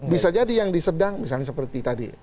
bisa jadi yang disedang misalnya seperti tadi